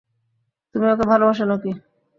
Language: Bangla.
তুমি ওকে ভালোবাসো নাকি?